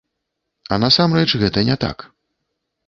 А насамрэч гэта не так.